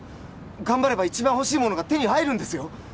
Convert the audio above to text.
頑張れば一番欲しいものが手に入るんですよ